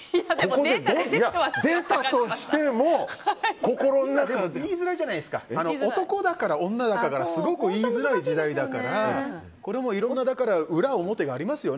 こう出たとしても心の中で。言いづらいじゃないですか男だから、女だからってすごく言いづらい時代だからこれもいろいろ裏表がありますよ。